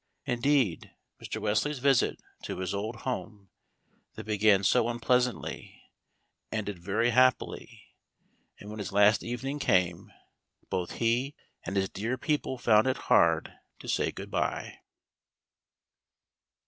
Indeed Mr. Wesley's visit to his old home, that began so unpleasantly, ended very happily, and when his last evening came, both he and his dear people found it hard to say "Good bye."